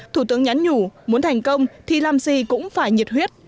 thủ tướng nhắn nhủ muốn thành công thì làm gì cũng phải nhiệt huyết